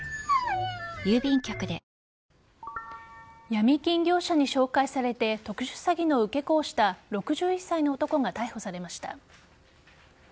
ヤミ金業者に紹介されて特殊詐欺の受け子をした６１歳の男が逮捕されました。